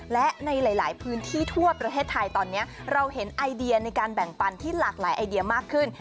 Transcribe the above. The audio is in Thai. และในหลายพื้นที่ทั่วประเทศไทยตอนนี้เราเห็นไอเดียในการแบ่งปันที่หลากหลายไอเดียมากขึ้น